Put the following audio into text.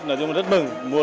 nói chung là rất mừng